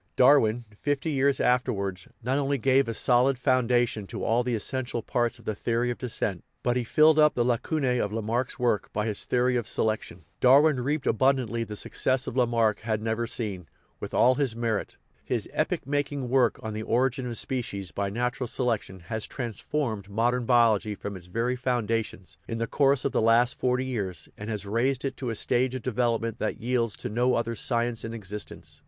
Darwin, fifty years afterwards, not only gave a solid founda tion to all the essential parts of the theory of descent, but he filled up the lacunae of Lamarck's work by his theory of selection. Darwin reaped abundantly the success that Lamarck had never seen, with all his merit. His epoch making work on The Origin of Spe cies by Natural Selection has transformed modern biol ogy from its very foundations, in the course of the last forty years, and has raised it to a stage of development that yields to no other science in existence.